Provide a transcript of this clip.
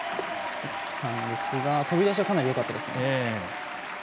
飛び出しはかなりよかったですね。